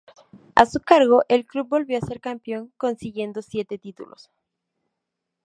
A su cargo el club volvió a ser campeón, consiguiendo siete títulos.